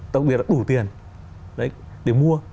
đặc biệt là đủ tiền để mua